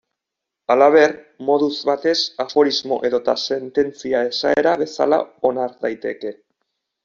Halaber, moduz batez aforismo edota sententzia esaera bezala onar daiteke.